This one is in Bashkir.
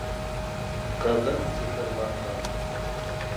Ҡыҙың сихырланған